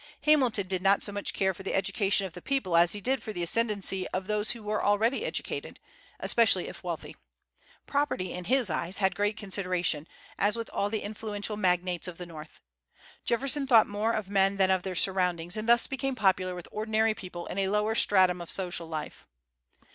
Hamilton did not so much care for the education of the people as he did for the ascendency of those who were already educated, especially if wealthy. Property, in his eyes, had great consideration, as with all the influential magnates of the North. Jefferson thought more of men than of their surroundings, and thus became popular with ordinary people in a lower stratum of social life.